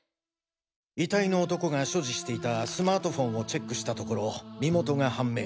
遺体の男が所持していたスマートフォンをチェックしたところ身元が判明。